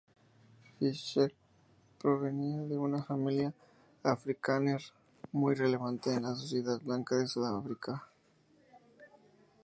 Fischer provenía de una familia afrikáner muy relevante en la sociedad blanca de Sudáfrica.